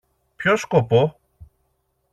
Ποιο σκοπό;